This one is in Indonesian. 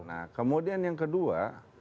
nah kemudian yang kedua